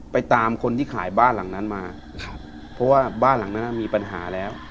ตามคนที่ขายบ้านหลังนั้นมาครับเพราะว่าบ้านหลังนั้นมีปัญหาแล้ว